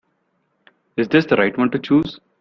Is this the right one to choose?